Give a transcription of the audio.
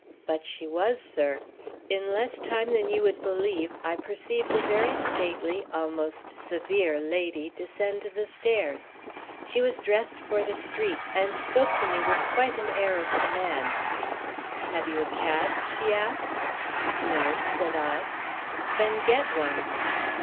But she was, sir. In less time than you would believe, I perceived a very stately, almost severe, lady descend the stairs. She was dressed for the street, and spoke to me with quite an air of command. 'Have you a cab?' she asked. "'No,' said I. "'Then get one.'